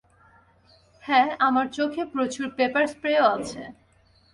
হ্যাঁ, আমার চোখে প্রচুর পেপার স্প্রেও আছে।